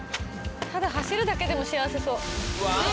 ただ走るだけでも幸せそう。